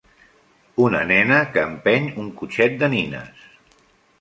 Una nena que empeny un cotxet de nines